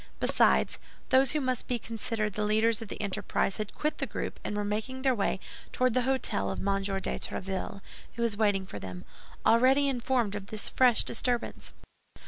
Besides, those who must be considered the leaders of the enterprise had quit the group and were making their way toward the hôtel of M. de Tréville, who was waiting for them, already informed of this fresh disturbance.